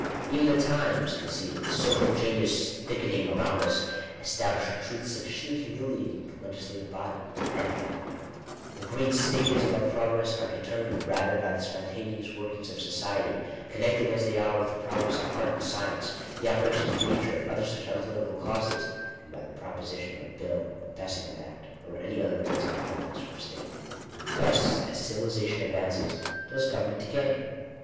Even the Times can see that " the social changes thickening around us establish a truth sufficiently humiliating to legislative bodies," and that " the great stages of our progress are determined rather by the spontaneous workings of society, connected as they are with the progress of Digitized by VjOOQIC sL Qtf INTRODUCTION. art and science, the operations of nature, and other such un political causes, than by the proposition of a bill, the passing of an act, or any other event of politics or of state." * Hms, as civilization advances, does government decay.